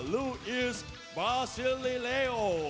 ลูอีสบาซิลิเลโอ